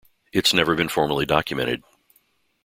It's never been formally documented.